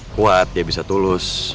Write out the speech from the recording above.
kuat ya bisa tulus